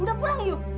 udah pulang yuk